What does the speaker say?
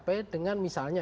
ini dengan contohnya